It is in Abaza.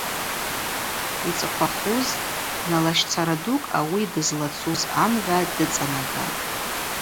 Йцӏыхъвахаз бна лащцара дукӏ ауи дызлацуз амгӏва дыцӏанагатӏ.